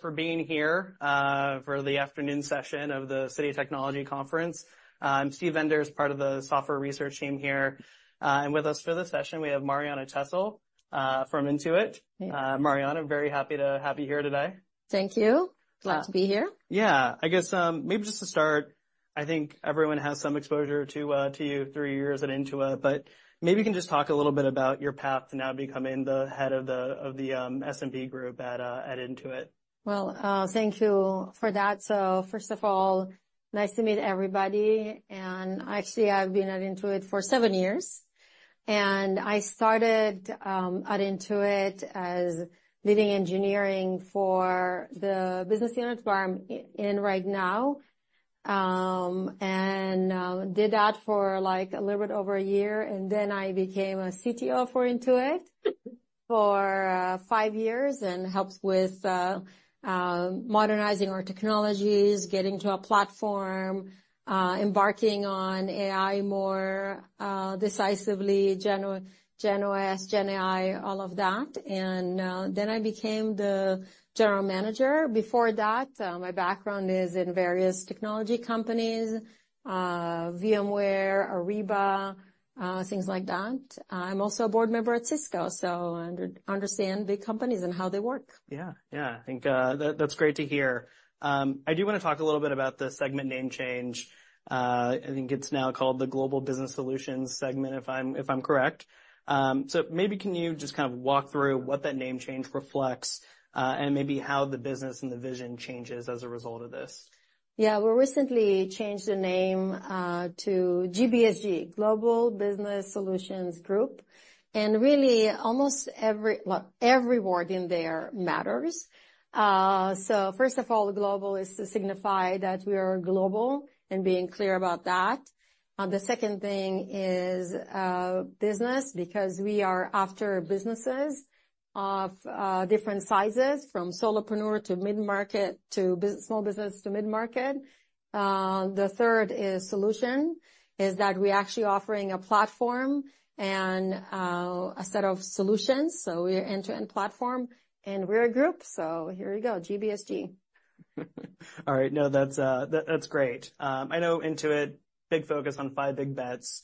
for being here, for the afternoon session of the Citi Technology Conference. I'm Steve Enders, as part of the software research team here. And with us for the session, we have Marianna Tessel, from Intuit. Yeah. Marianna, very happy to have you here today. Thank you. Glad to be here. Yeah. I guess, maybe just to start, I think everyone has some exposure to you through your years at Intuit, but maybe you can just talk a little bit about your path to now becoming the head of the SMB Group at Intuit. Thank you for that. First of all, nice to meet everybody, and actually, I've been at Intuit for seven years, and I started at Intuit as leading engineering for the business unit where I'm in right now, and did that for like a little bit over a year, and then I became a CTO for Intuit for five years and helped with modernizing our technologies, getting to a platform, embarking on AI more decisively, GenOS, Gen AI, all of that, then I became the general manager. Before that, my background is in various technology companies, VMware, Ariba, things like that. I'm also a board member at Cisco, so I understand big companies and how they work. Yeah. Yeah, I think, that, that's great to hear. I do wanna talk a little bit about the segment name change. I think it's now called the Global Business Solutions segment, if I'm, if I'm correct. So maybe can you just kind of walk through what that name change reflects, and maybe how the business and the vision changes as a result of this? Yeah, we recently changed the name to GBSG, Global Business Solutions Group, and really almost every... well, every word in there matters. So first of all, global is to signify that we are global and being clear about that. The second thing is business, because we are after businesses of different sizes, from solopreneur to mid-market, small business to mid-market. The third is solution, is that we're actually offering a platform and a set of solutions, so we're end-to-end platform, and we're a group, so here you go, GBSG. All right. No, that's great. I know Intuit, big focus on Five Big Bets.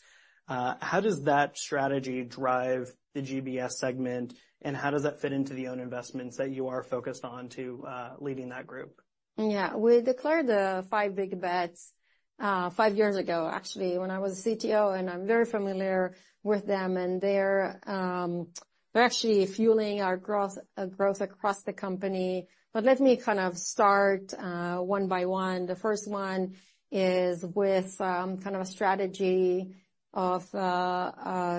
How does that strategy drive the GBS segment, and how does that fit into your own investments that you are focused on in leading that group? Yeah. We declared the Five Big Bets five years ago, actually, when I was a CTO, and I'm very familiar with them. And they're actually fueling our growth across the company. But let me kind of start one by one. The first one is with kind of a strategy of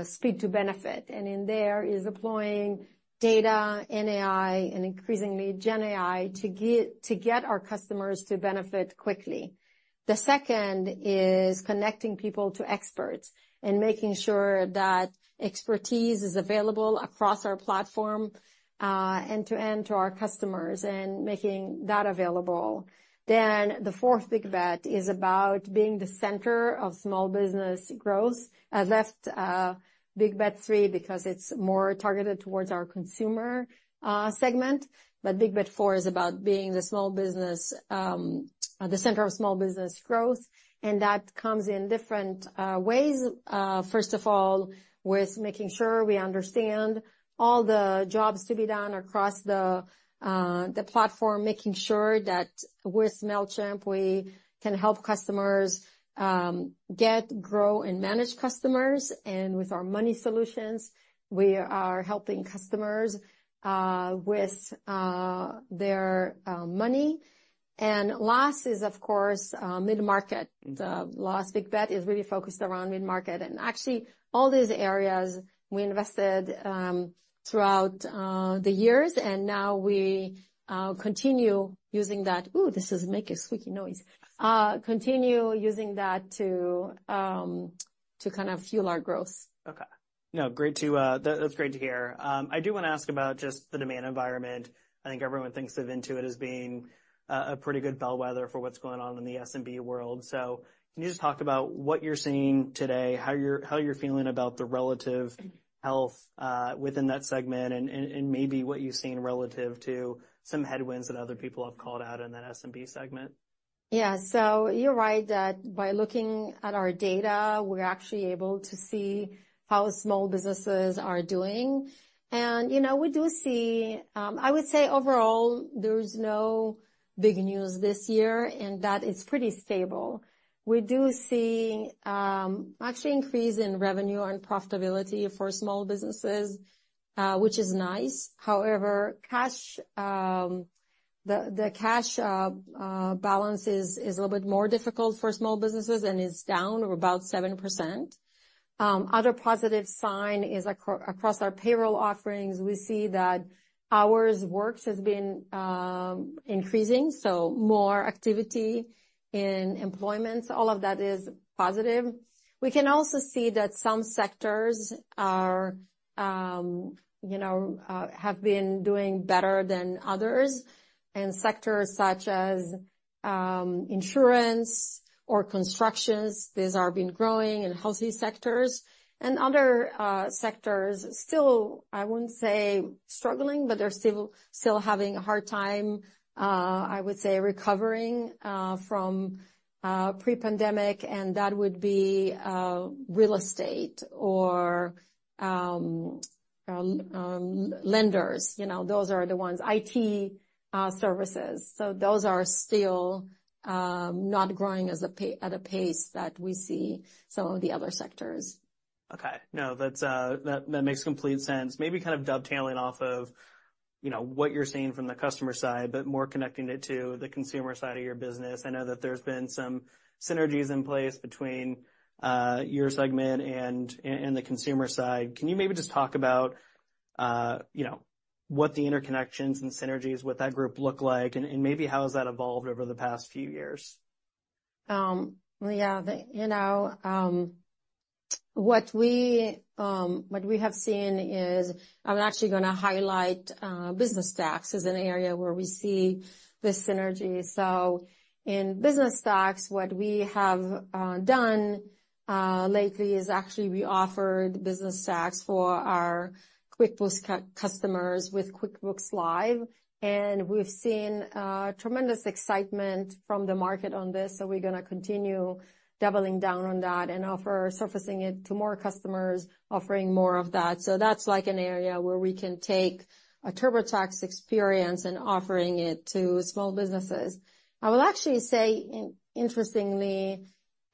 speed to benefit, and in there is deploying data, AI and increasingly Gen AI to get our customers to benefit quickly. The second is connecting people to experts and making sure that expertise is available across our platform end-to-end to our customers, and making that available. Then the fourth Big Bet is about being the center of small business growth. I left Big Bet three because it's more targeted towards our consumer segment, but Big Bet four is about being the small business, the center of small business growth, and that comes in different ways. First of all, with making sure we understand all the jobs to be done across the platform, making sure that with Mailchimp, we can help customers get, grow, and manage customers. And with our money solutions, we are helping customers with their money. And last is, of course, mid-market. The last Big Bet is really focused around mid-market. And actually, all these areas we invested throughout the years, and now we continue using that. Ooh, this is making a squeaky noise. Continue using that to kind of fuel our growth. Okay. No, great to hear. That, that's great to hear. I do wanna ask about just the demand environment. I think everyone thinks of Intuit as being a pretty good bellwether for what's going on in the SMB world. So can you just talk about what you're seeing today, how you're feeling about the relative health within that segment, and maybe what you've seen relative to some headwinds that other people have called out in that SMB segment? Yeah. So you're right that by looking at our data, we're actually able to see how small businesses are doing. And, you know, we do see, I would say overall, there's no big news this year, and that is pretty stable. We do see, actually increase in revenue and profitability for small businesses, which is nice. However, the cash balance is a little bit more difficult for small businesses and is down about 7%. Other positive sign is across our payroll offerings, we see that hours worked has been increasing, so more activity in employment. All of that is positive. We can also see that some sectors have been doing better than others, and sectors such as, insurance or construction, these have been growing and healthy sectors. And other sectors still, I wouldn't say struggling, but they're still having a hard time, I would say, recovering from pre-pandemic, and that would be real estate or lenders. You know, those are the ones. IT services. So those are still not growing at a pace that we see some of the other sectors. Okay. No, that's that makes complete sense. Maybe kind of dovetailing off of, you know, what you're seeing from the customer side, but more connecting it to the consumer side of your business. I know that there's been some synergies in place between your segment and the consumer side. Can you maybe just talk about, you know, what the interconnections and synergies with that group look like, and maybe how has that evolved over the past few years? Yeah, you know, what we have seen is. I'm actually gonna highlight business tax as an area where we see this synergy. So in business tax, what we have done lately is actually we offered business tax for our QuickBooks customers with QuickBooks Live, and we've seen tremendous excitement from the market on this. So we're gonna continue doubling down on that and offer surfacing it to more customers, offering more of that. So that's like an area where we can take a TurboTax experience and offering it to small businesses. I will actually say, interestingly,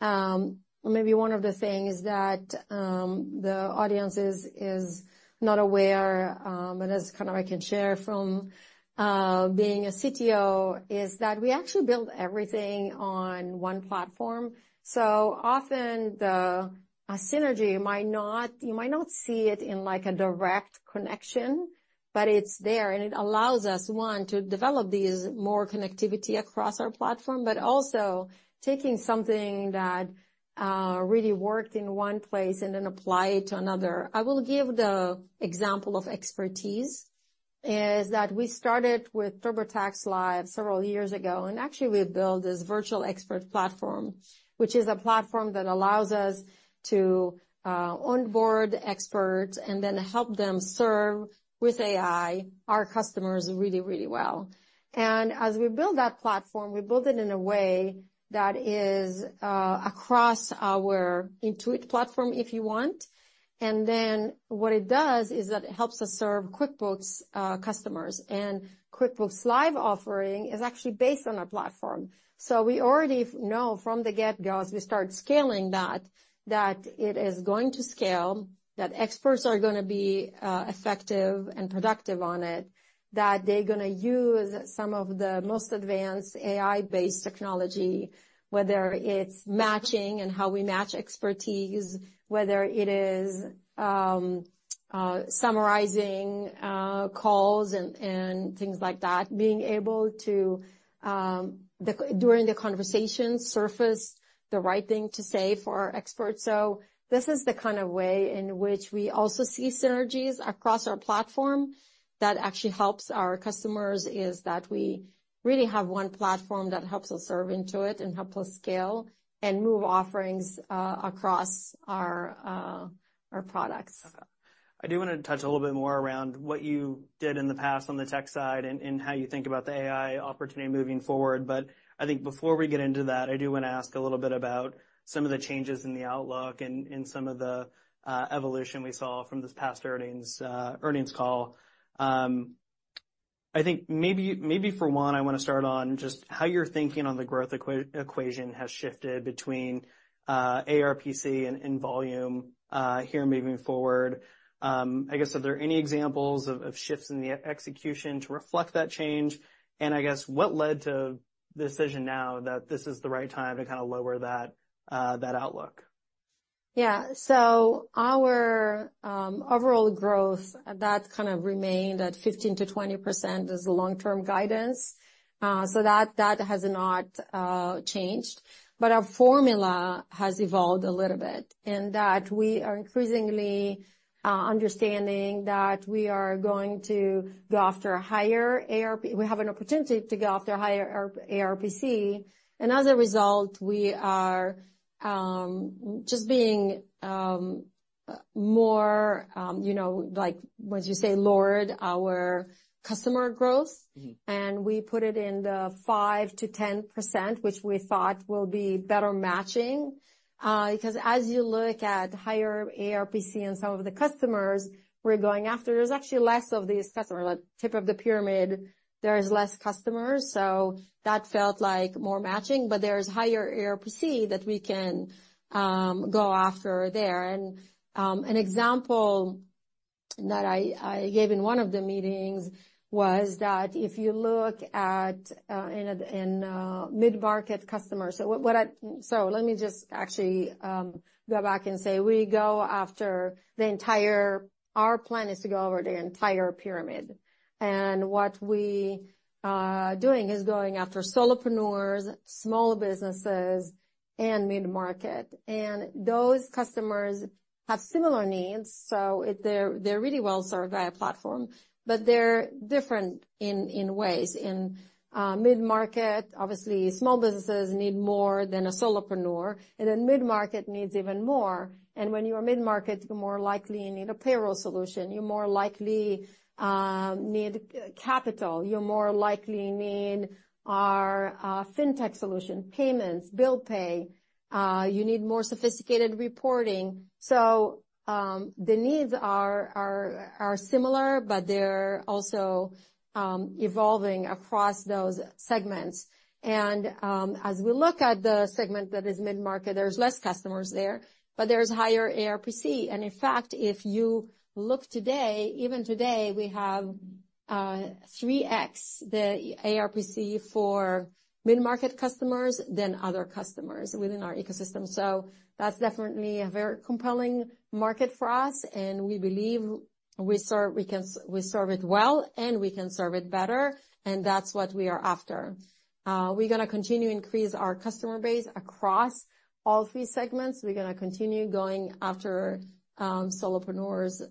maybe one of the things that the audience is not aware, and as kind of I can share from being a CTO, is that we actually build everything on one platform. So often, a synergy might not—you might not see it in like a direct connection, but it's there, and it allows us, one, to develop these more connectivity across our platform, but also taking something that really worked in one place and then apply it to another. I will give the example of expertise, is that we started with TurboTax Live several years ago, and actually, we built this virtual expert platform, which is a platform that allows us to onboard experts and then help them serve, with AI, our customers really, really well. And as we build that platform, we build it in a way that is across our Intuit platform, if you want, and then what it does is that it helps us serve QuickBooks customers. And QuickBooks Live offering is actually based on our platform. So we already know from the get-go, as we start scaling that, that it is going to scale, that experts are gonna be effective and productive on it, that they're gonna use some of the most advanced AI-based technology, whether it's matching and how we match expertise, whether it is summarizing calls and things like that, being able to during the conversation surface the right thing to say for our experts. So this is the kind of way in which we also see synergies across our platform that actually helps our customers, is that we really have one platform that helps us serve Intuit and helps us scale and move offerings across our products. I do wanna touch a little bit more around what you did in the past on the tech side and how you think about the AI opportunity moving forward. But I think before we get into that, I do wanna ask a little bit about some of the changes in the outlook and some of the evolution we saw from this past earnings call. I think maybe for one, I wanna start on just how your thinking on the growth equation has shifted between ARPC and volume here moving forward. I guess, are there any examples of shifts in the execution to reflect that change? And I guess, what led to the decision now that this is the right time to kind of lower that outlook? Yeah. So our overall growth, that kind of remained at 15%-20% as the long-term guidance, so that has not changed. But our formula has evolved a little bit in that we are increasingly understanding that we are going to go after a higher ARPC. We have an opportunity to go after a higher ARPC, and as a result, we are just being more, you know, like, once you say, lowered our customer growth- Mm-hmm. and we put it in the 5%-10%, which we thought will be better matching. Because as you look at higher ARPC and some of the customers we're going after, there's actually less of these customers. Like, tip of the pyramid, there is less customers, so that felt like more matching, but there's higher ARPC that we can go after there. And an example that I gave in one of the meetings was that if you look at in a mid-market customer. Let me just actually go back and say, we go after the entire-- our plan is to go over the entire pyramid, and what we are doing is going after solopreneurs, small businesses, and mid-market. And those customers have similar needs, so it, they're really well served by our platform, but they're different in ways. In mid-market, obviously, small businesses need more than a solopreneur, and then mid-market needs even more. And when you are mid-market, you more likely need a payroll solution, you more likely need capital, you more likely need our fintech solution, payments, bill pay, you need more sophisticated reporting. So the needs are similar, but they're also evolving across those segments. And as we look at the segment that is mid-market, there's less customers there, but there's higher ARPC. And in fact, if you look today, even today, we have 3x the ARPC for mid-market customers than other customers within our ecosystem. So that's definitely a very compelling market for us, and we believe we serve it well, and we can serve it better, and that's what we are after. We're gonna continue to increase our customer base across all three segments. We're gonna continue going after solopreneurs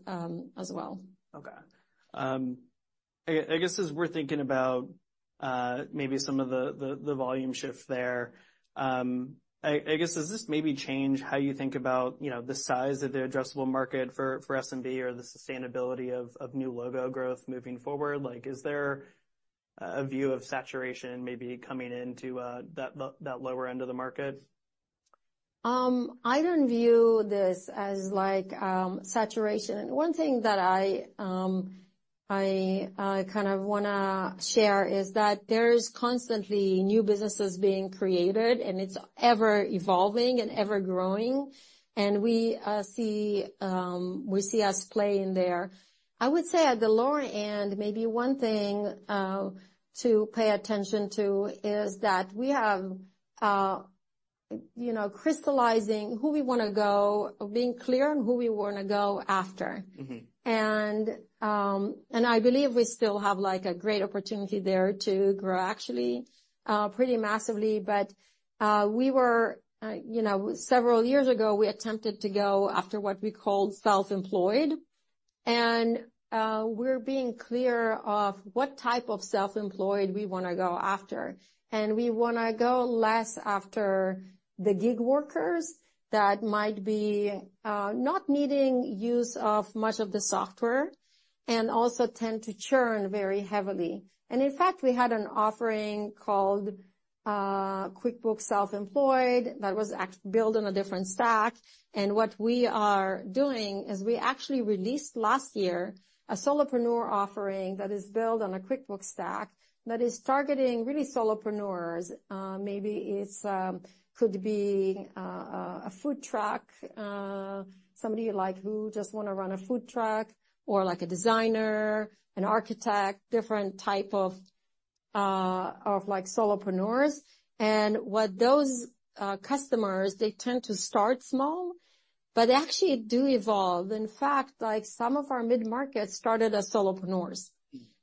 as well. Okay. I guess, as we're thinking about, maybe some of the volume shift there, I guess, does this maybe change how you think about, you know, the size of the addressable market for SMB or the sustainability of new logo growth moving forward? Like, is there a view of saturation maybe coming into, that lower end of the market? I don't view this as like saturation. One thing that I kind of wanna share is that there's constantly new businesses being created, and it's ever-evolving and ever-growing, and we see us playing there. I would say at the lower end, maybe one thing to pay attention to is that we have, you know, crystallizing who we wanna go, being clear on who we wanna go after. Mm-hmm. I believe we still have, like, a great opportunity there to grow, actually, pretty massively, but we were, you know, several years ago, we attempted to go after what we called self-employed, and we're being clear of what type of self-employed we wanna go after, and we wanna go less after the gig workers that might be not needing use of much of the software and also tend to churn very heavily. In fact, we had an offering called QuickBooks Self-Employed that was built on a different stack. What we are doing is we actually released last year a solopreneur offering that is built on a QuickBooks stack that is targeting really solopreneurs. Maybe it's could be a food truck, somebody like who just wanna run a food truck or like a designer, an architect, different type of like solopreneurs, and what those customers, they tend to start small, but they actually do evolve. In fact, like, some of our mid-market started as solopreneurs.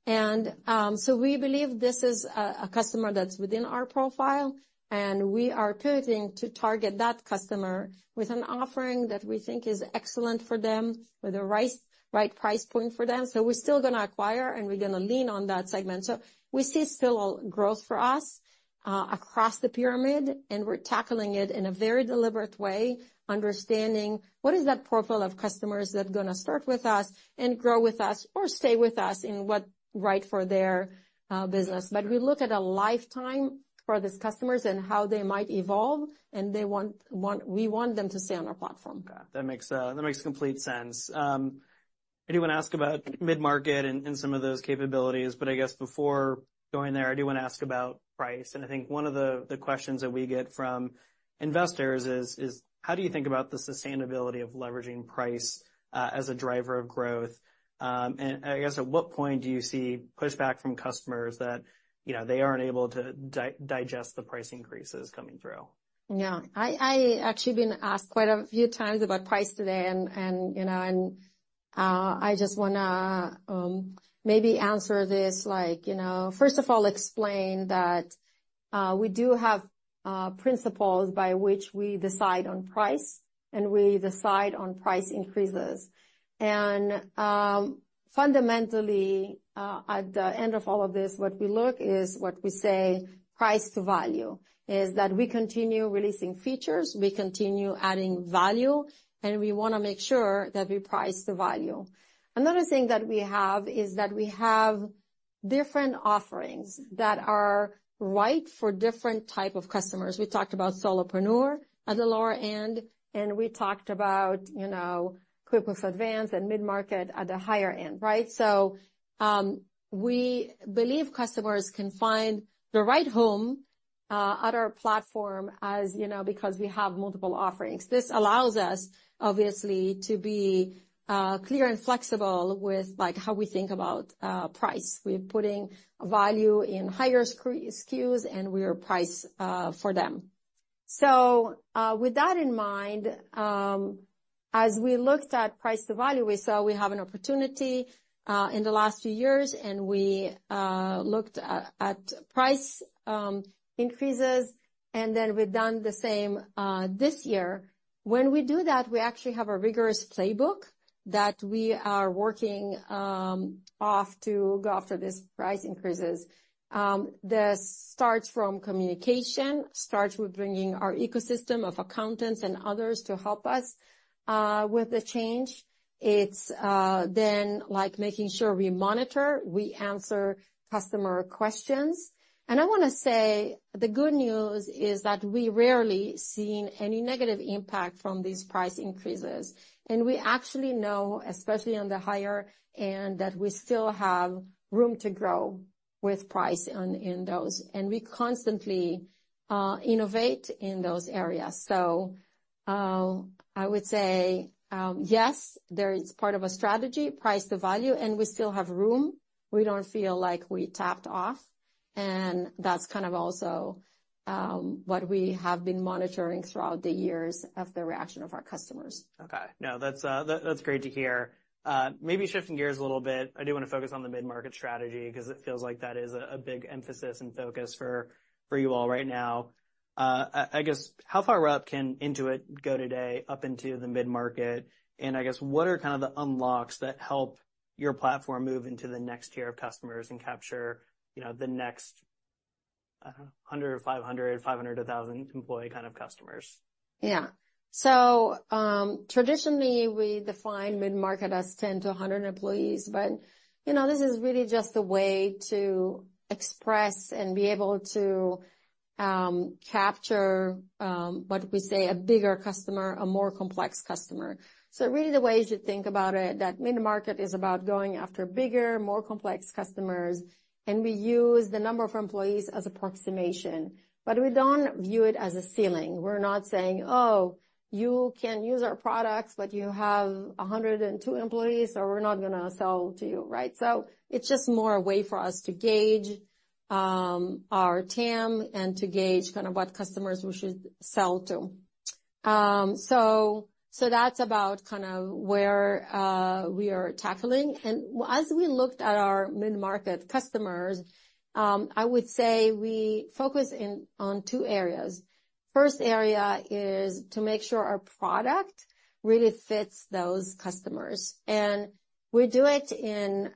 And, so we believe this is a customer that's within our profile, and we are pivoting to target that customer with an offering that we think is excellent for them, with the right, right price point for them. So we're still gonna acquire, and we're gonna lean on that segment. So we see still growth for us across the pyramid, and we're tackling it in a very deliberate way, understanding what is that profile of customers that are gonna start with us and grow with us or stay with us in what's right for their business. But we look at a lifetime for these customers and how they might evolve, and we want them to stay on our platform. Got it. That makes complete sense. I do wanna ask about mid-market and some of those capabilities, but I guess before going there, I do wanna ask about price. And I think one of the questions that we get from investors is: how do you think about the sustainability of leveraging price as a driver of growth? And I guess, at what point do you see pushback from customers that, you know, they aren't able to digest the price increases coming through? Yeah. I actually been asked quite a few times about price today, and you know, and I just wanna maybe answer this like, you know, first of all, explain that we do have principles by which we decide on price, and we decide on price increases. And, fundamentally, at the end of all of this, what we look is what we say, price to value, is that we continue releasing features, we continue adding value, and we wanna make sure that we price the value. Another thing that we have is that we have different offerings that are right for different type of customers. We talked about solopreneur at the lower end, and we talked about, you know, QuickBooks Advanced and mid-market at the higher end, right? So, we believe customers can find the right home at our platform, as you know, because we have multiple offerings. This allows us, obviously, to be clear and flexible with, like, how we think about price. We're putting value in higher SKUs, and we are priced for them. So, with that in mind, as we looked at price to value, we saw we have an opportunity in the last few years, and we looked at price increases, and then we've done the same this year. When we do that, we actually have a rigorous playbook that we are working off to go after these price increases. This starts from communication, starts with bringing our ecosystem of accountants and others to help us with the change. It's then, like, making sure we monitor, we answer customer questions, and I wanna say the good news is that we rarely seen any negative impact from these price increases, and we actually know, especially on the higher end, that we still have room to grow with price on in those. We constantly innovate in those areas, so I would say yes, there is part of a strategy, price to value, and we still have room. We don't feel like we tapped off, and that's kind of also what we have been monitoring throughout the years of the reaction of our customers. Okay. No, that's great to hear. Maybe shifting gears a little bit, I do wanna focus on the mid-market strategy, 'cause it feels like that is a big emphasis and focus for you all right now. I guess, how far up can Intuit go today up into the mid-market? And I guess, what are kind of the unlocks that help your platform move into the next tier of customers and capture, you know, the next, I don't know, 100, 500, 500-1,000 employee kind of customers? Yeah. So, traditionally, we define mid-market as 10 to 100 employees, but, you know, this is really just a way to express and be able to capture what we say, a bigger customer, a more complex customer. So really the way you should think about it, that mid-market is about going after bigger, more complex customers, and we use the number of employees as approximation. But we don't view it as a ceiling. We're not saying, "Oh, you can't use our products, but you have 102 employees, so we're not gonna sell to you," right? So it's just more a way for us to gauge our TAM and to gauge kind of what customers we should sell to. So, that's about kind of where we are tackling. And as we looked at our mid-market customers, I would say we focus in on two areas. First area is to make sure our product really fits those customers, and we do it in.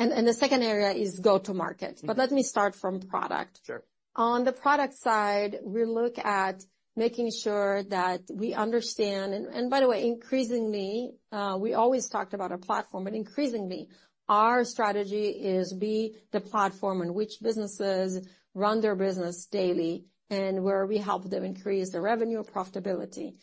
And the second area is go-to-market. But let me start from product. Sure. On the product side, we look at making sure that we understand. And by the way, increasingly, we always talked about our platform, but increasingly, our strategy is be the platform in which businesses run their business daily, and where we help them increase their revenue and profitability.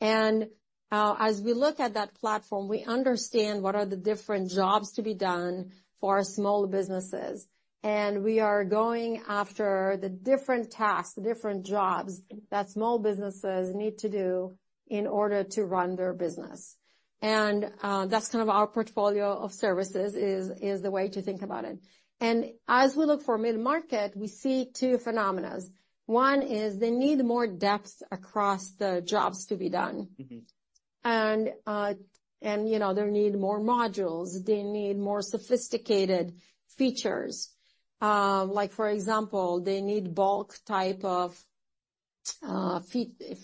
And as we look at that platform, we understand what are the different jobs to be done for small businesses, and we are going after the different tasks, the different jobs that small businesses need to do in order to run their business. And that's kind of our portfolio of services, is the way to think about it. And as we look for mid-market, we see two phenomena. One is they need more depth across the jobs to be done. Mm-hmm. You know, they need more modules, they need more sophisticated features. Like for example, they need bulk type of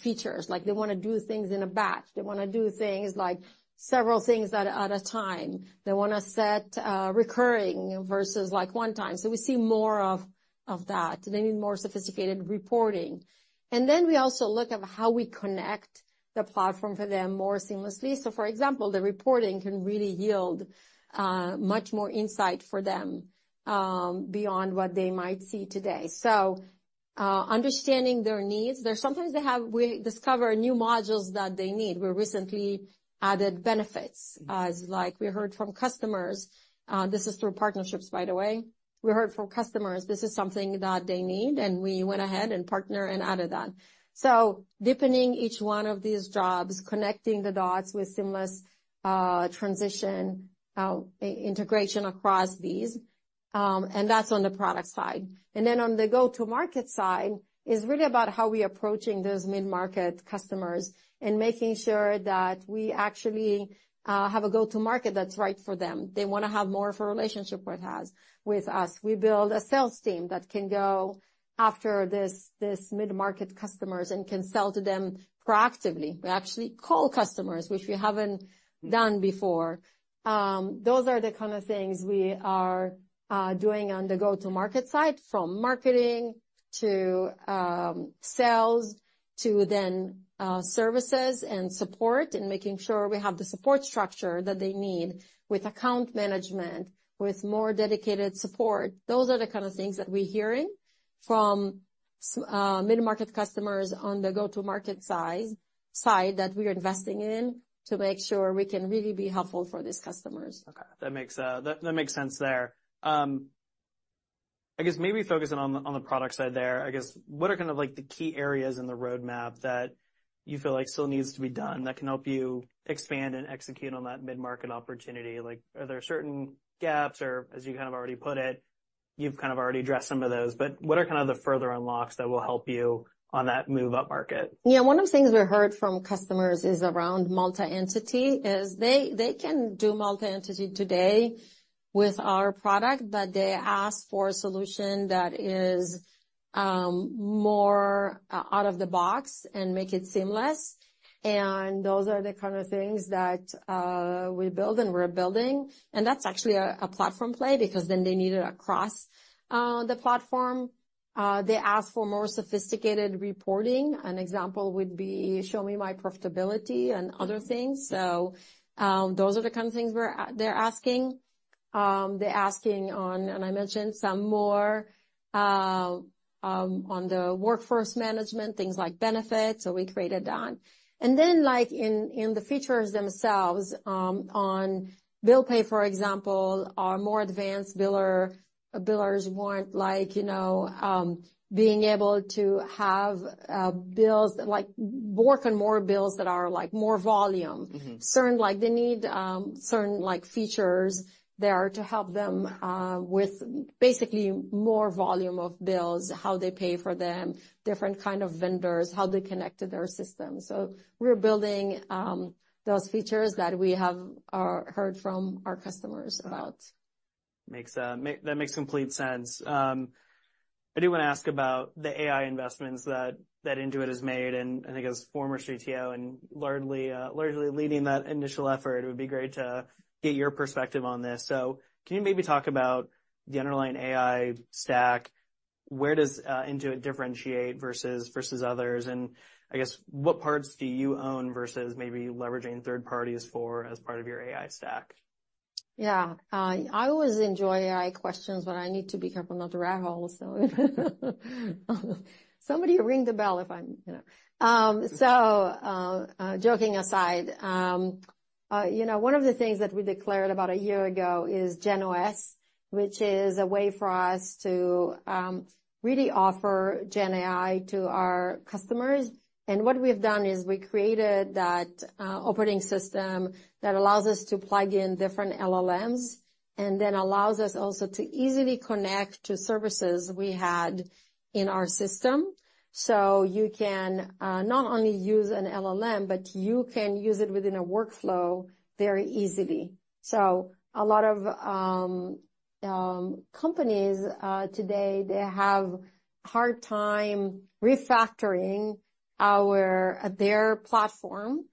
features. Like, they wanna do things in a batch. They wanna do things like several things at a time. They wanna set recurring versus, like, one time, so we see more of that. They need more sophisticated reporting, and then we also look at how we connect the platform for them more seamlessly, so for example, the reporting can really yield much more insight for them beyond what they might see today, so understanding their needs, there's sometimes they have... we discover new modules that they need. We recently added benefits. It's like we heard from customers, this is through partnerships, by the way. We heard from customers, this is something that they need, and we went ahead and partner and added that. So deepening each one of these jobs, connecting the dots with seamless transition, integration across these, and that's on the product side and then on the go-to-market side is really about how we are approaching those mid-market customers, and making sure that we actually have a go-to-market that's right for them. They wanna have more of a relationship with us, with us. We build a sales team that can go after this, these mid-market customers and can sell to them proactively. We actually call customers, which we haven't done before. Those are the kind of things we are doing on the go-to-market side, from marketing to sales, to then services and support, and making sure we have the support structure that they need with account management, with more dedicated support. Those are the kind of things that we're hearing from mid-market customers on the go-to-market side that we are investing in, to make sure we can really be helpful for these customers. Okay. That makes sense there. I guess maybe focusing on the product side there, I guess, what are kind of like the key areas in the roadmap that you feel like still needs to be done that can help you expand and execute on that mid-market opportunity? Like, are there certain gaps, or as you kind of already put it, you've kind of already addressed some of those, but what are kind of the further unlocks that will help you on that move-up market? Yeah, one of the things we heard from customers is around multi-entity. They can do multi-entity today with our product, but they ask for a solution that is more out of the box and make it seamless. And those are the kind of things that we build and we're building, and that's actually a platform play because then they need it across the platform. They ask for more sophisticated reporting. An example would be, show me my profitability and other things. So, those are the kind of things they're asking, and I mentioned some more on the workforce management, things like benefits, so we created that. And then, like, in the features themselves, on Bill Pay, for example, our more advanced billers want, like, you know, being able to have bills, like, more and more bills that are, like, more volume. Mm-hmm. They need certain, like, features there to help them with basically more volume of bills, how they pay for them, different kind of vendors, how they connect to their system, so we're building those features that we have heard from our customers about. That makes complete sense. I do wanna ask about the AI investments that Intuit has made, and I think as former CTO and largely leading that initial effort, it would be great to get your perspective on this. So can you maybe talk about the underlying AI stack? Where does Intuit differentiate versus others? And I guess, what parts do you own versus maybe leveraging third parties for as part of your AI stack? Yeah. I always enjoy AI questions, but I need to be careful not to rabbit hole, so somebody ring the bell if I'm, you know. So, joking aside, you know, one of the things that we declared about a year ago is GenOS, which is a way for us to really offer Gen AI to our customers. And what we've done is we created that operating system that allows us to plug in different LLMs, and then allows us also to easily connect to services we had in our system. So you can not only use an LLM, but you can use it within a workflow very easily. So a lot of companies today, they have hard time refactoring their platform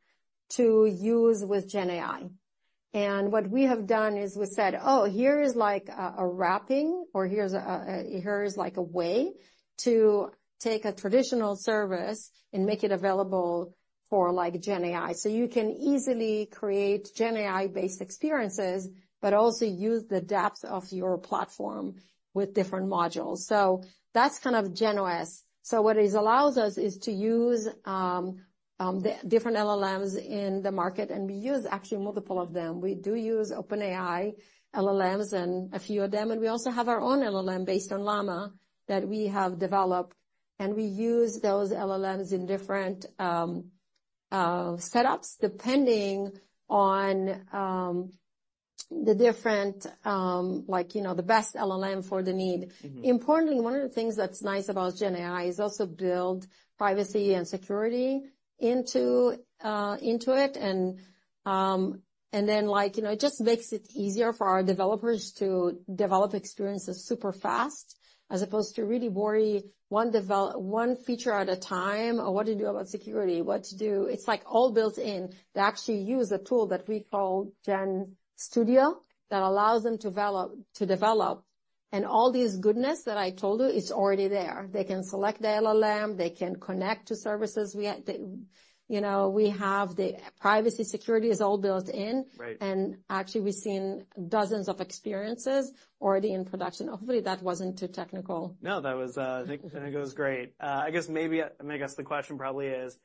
to use with Gen AI. And what we have done is we said, "Oh, here is like a wrapping, or here's a way to take a traditional service and make it available for, like, Gen AI." So you can easily create Gen AI-based experiences, but also use the depth of your platform with different modules. So that's kind of GenOS. So what this allows us is to use the different LLMs in the market, and we use actually multiple of them. We do use OpenAI LLMs and a few of them, and we also have our own LLM based on Llama that we have developed, and we use those LLMs in different setups, depending on the different like, you know, the best LLM for the need. Mm-hmm. Importantly, one of the things that's nice about GenAI is also build privacy and security into it. And then, like, you know, it just makes it easier for our developers to develop experiences super fast, as opposed to really worry one feature at a time, or what to do about security, what to do. It's, like, all built in. They actually use a tool that we call GenStudio that allows them to develop, and all this goodness that I told you, it's already there. They can select the LLM, they can connect to services. You know, we have the privacy, security is all built in. Right. Actually, we've seen dozens of experiences already in production. Hopefully, that wasn't too technical. No, that was, I think it was great. I guess maybe, I guess the question probably is,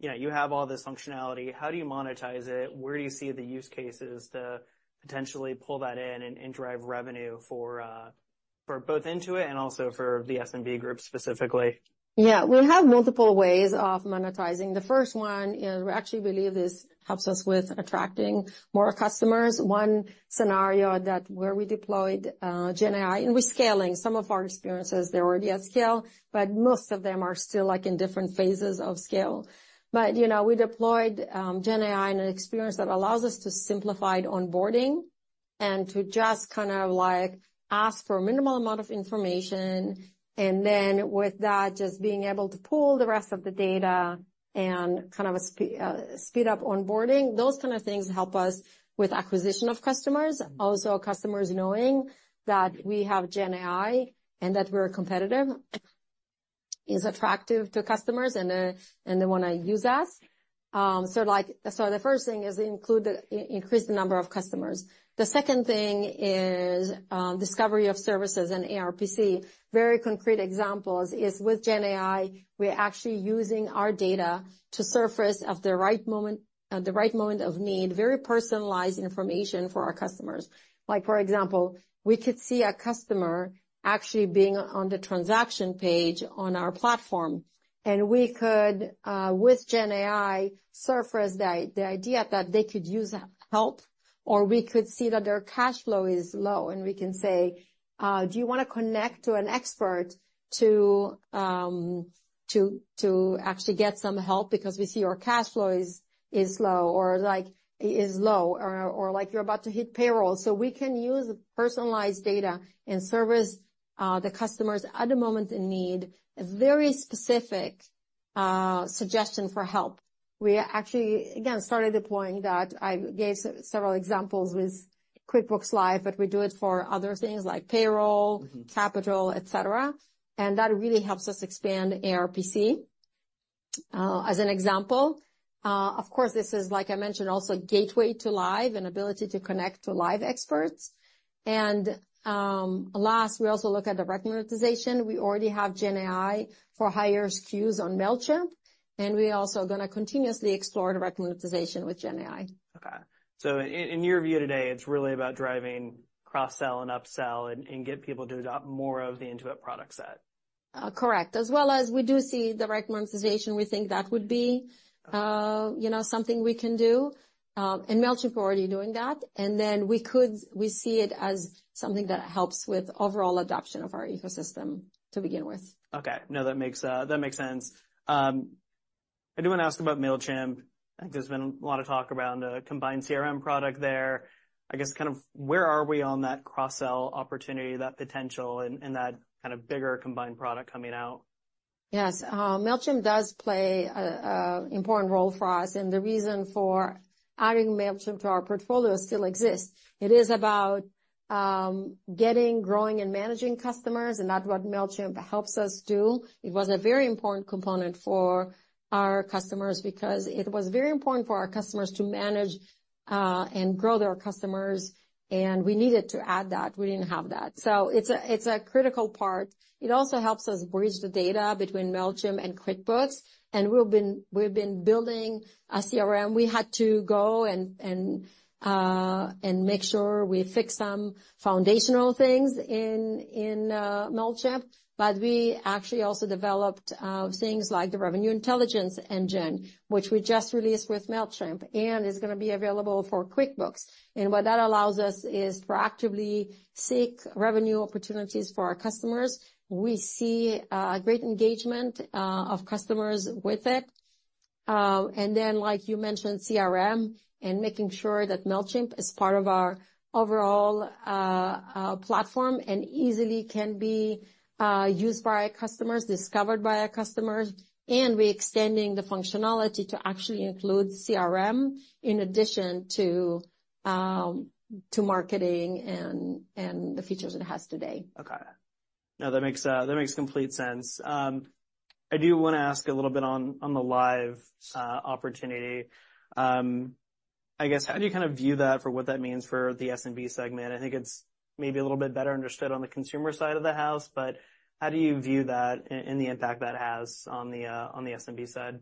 you know, you have all this functionality, how do you monetize it? Where do you see the use cases to potentially pull that in and drive revenue for both Intuit and also for the SMB group, specifically? Yeah. We have multiple ways of monetizing. The first one is we actually believe this helps us with attracting more customers. One scenario where we deployed GenAI, and we're scaling. Some of our experiences, they're already at scale, but most of them are still, like, in different phases of scale. But, you know, we deployed GenAI in an experience that allows us to simplify the onboarding and to just kind of, like, ask for a minimal amount of information, and then with that, just being able to pull the rest of the data and kind of a speed up onboarding. Those kind of things help us with acquisition of customers. Also, customers knowing that we have GenAI and that we're competitive is attractive to customers and they wanna use us. So like, so the first thing is include the- increase the number of customers. The second thing is, discovery of services and ARPC. Very concrete examples is with GenAI, we're actually using our data to surface at the right moment, at the right moment of need, very personalized information for our customers. Like, for example, we could see a customer actually being on the transaction page on our platform, and we could, with GenAI, surface the idea that they could use help, or we could see that their cash flow is low, and we can say, "Do you wanna connect to an expert to actually get some help? Because we see your cash flow is low, or like you're about to hit payroll." So we can use personalized data and service the customers at the moment in need, a very specific suggestion for help. We actually, again, started deploying that. I gave several examples with QuickBooks Live, but we do it for other things like payroll- Mm-hmm.... capital, et cetera, and that really helps us expand ARPC. As an example, of course, this is, like I mentioned, also a gateway to Live and ability to connect to Live experts. And, last, we also look at direct monetization. We already have GenAI for higher SKUs on Mailchimp, and we're also gonna continuously explore direct monetization with GenAI. Okay. So in your view today, it's really about driving cross-sell and upsell and get people to adopt more of the Intuit product set? Correct. As well as we do see direct monetization, we think that would be, you know, something we can do. And Mailchimp are already doing that, and then we could. We see it as something that helps with overall adoption of our ecosystem to begin with. Okay. No, that makes sense. I do want to ask about Mailchimp. I think there's been a lot of talk around a combined CRM product there. I guess, kind of, where are we on that cross-sell opportunity, that potential, and that kind of bigger combined product coming out? Yes. Mailchimp does play a important role for us, and the reason for adding Mailchimp to our portfolio still exists. It is about getting, growing, and managing customers, and that's what Mailchimp helps us do. It was a very important component for our customers because it was very important for our customers to manage and grow their customers, and we needed to add that. We didn't have that. So it's a critical part. It also helps us bridge the data between Mailchimp and QuickBooks, and we've been building a CRM. We had to go and make sure we fix some foundational things in Mailchimp, but we actually also developed things like the Revenue Intelligence engine, which we just released with Mailchimp, and it's gonna be available for QuickBooks. And what that allows us is to proactively seek revenue opportunities for our customers. We see great engagement of customers with it. And then, like you mentioned, CRM and making sure that Mailchimp is part of our overall platform, and easily can be used by our customers, discovered by our customers, and we're extending the functionality to actually include CRM in addition to marketing and the features it has today. Okay. No, that makes, that makes complete sense. I do wanna ask a little bit on the Live opportunity. I guess, how do you kind of view that for what that means for the SMB segment? I think it's maybe a little bit better understood on the consumer side of the house, but how do you view that and the impact that has on the SMB side?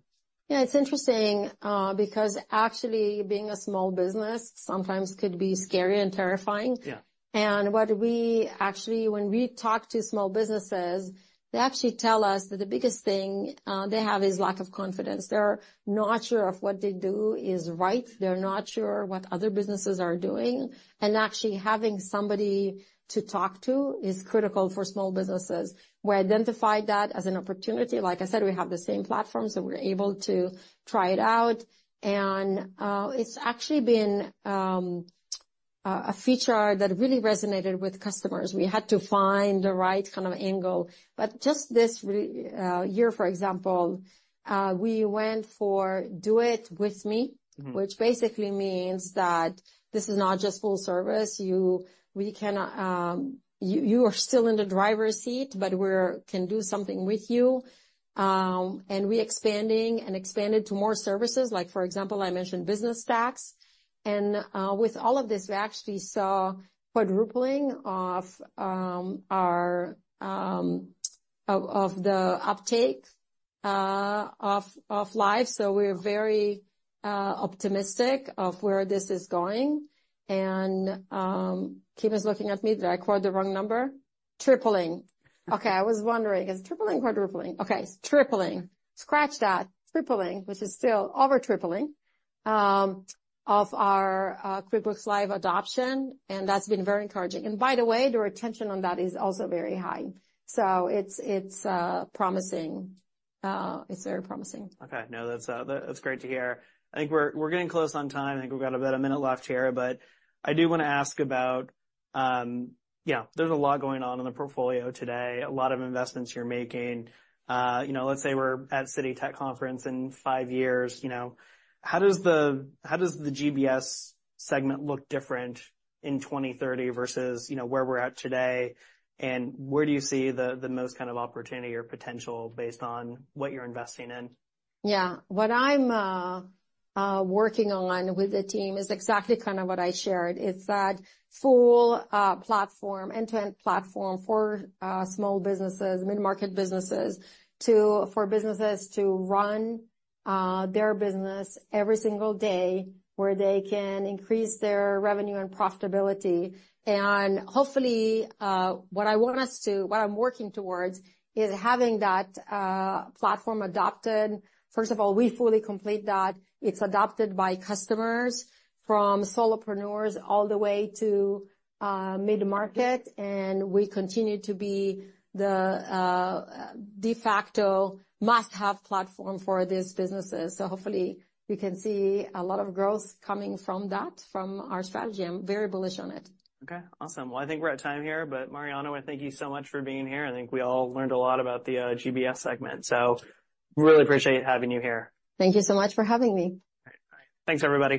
Yeah, it's interesting, because actually, being a small business sometimes could be scary and terrifying. Yeah. And what we actually, when we talk to small businesses, they actually tell us that the biggest thing they have is lack of confidence. They're not sure if what they do is right, they're not sure what other businesses are doing, and actually, having somebody to talk to is critical for small businesses. We identified that as an opportunity. Like I said, we have the same platform, so we're able to try it out, and it's actually been a feature that really resonated with customers. We had to find the right kind of angle. But just this year, for example, we went for Do It With Me- Mm-hmm. -which basically means that this is not just full service. You are still in the driver's seat, but we can do something with you. And we expanded to more services, like for example, I mentioned business tax. And with all of this, we actually saw quadrupling of our uptake of Live. So we're very optimistic of where this is going. And Kim is looking at me. Did I quote the wrong number? Tripling. Okay, I was wondering, is it tripling or quadrupling? Okay, tripling. Scratch that. Tripling, which is still over tripling of our QuickBooks Live adoption, and that's been very encouraging. And by the way, the retention on that is also very high, so it's promising. It's very promising. Okay. No, that's, that's great to hear. I think we're getting close on time. I think we've got about a minute left here, but I do wanna ask about, yeah, there's a lot going on in the portfolio today, a lot of investments you're making. You know, let's say we're at Citi Tech Conference in five years, you know, how does the GBS segment look different in 2030 versus, you know, where we're at today, and where do you see the most kind of opportunity or potential based on what you're investing in? Yeah. What I'm working on with the team is exactly kind of what I shared. It's that full platform, end-to-end platform for small businesses, mid-market businesses, to... for businesses to run their business every single day, where they can increase their revenue and profitability. And hopefully, what I want us to-- what I'm working towards is having that platform adopted. First of all, we fully complete that. It's adopted by customers, from solopreneurs all the way to mid-market, and we continue to be the de facto must-have platform for these businesses. So hopefully, we can see a lot of growth coming from that, from our strategy. I'm very bullish on it. Okay, awesome. I think we're at time here, but Marianna, thank you so much for being here. I think we all learned a lot about the GBS segment, so really appreciate having you here. Thank you so much for having me. All right. Thanks, everybody.